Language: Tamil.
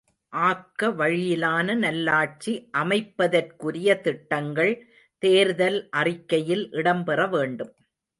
ஆக்கவழியிலான நல்லாட்சி அமைப்ப தற்குரிய திட்டங்கள், தேர்தல் அறிக்கையில் இடம்பெற வேண்டும்.